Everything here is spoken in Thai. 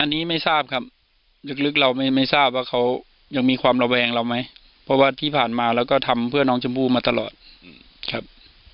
อันนี้ไม่ทราบครับลึกเราไม่ทราบว่าเขายังมีความระแวงเราไหมเพราะว่าที่ผ่านมาเราก็ทำเพื่อน้องชมพู่มาตลอดครับ